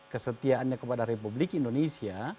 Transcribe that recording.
kesetiaannya kepada republik indonesia